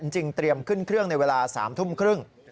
เตรียมขึ้นเครื่องในเวลา๓ทุ่มครึ่ง